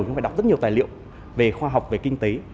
chúng ta phải đọc rất nhiều tài liệu về khoa học về kinh tế